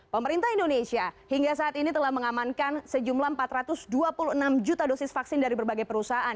pemerintah indonesia hingga saat ini telah mengamankan sejumlah empat ratus dua puluh enam juta dosis vaksin dari berbagai perusahaan